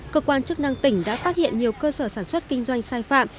cơ quan chức năng tỉnh đã phát hiện nhiều cơ sở sản xuất kinh doanh sai phạm